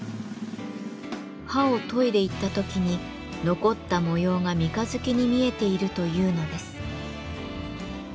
刃を研いでいったときに残った模様が三日月に見えているというのです。